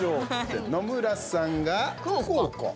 野村さんが福岡？